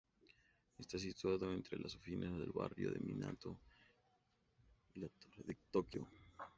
Está situado entre las oficinas del barrio de Minato y la Torre de Tokio.